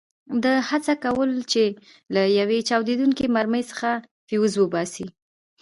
ده هڅه کوله چې له یوې چاودېدونکې مرمۍ څخه فیوز وباسي.